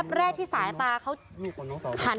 เพื่อนบ้านเจ้าหน้าที่อำรวจกู้ภัย